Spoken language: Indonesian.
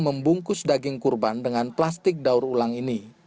dan membungkus daging kurban dengan plastik daur ulang ini